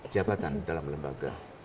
jabatan dalam lembaga